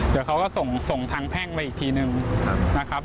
เดี๋ยวเขาก็ส่งทางแพ่งมาอีกทีนึงนะครับ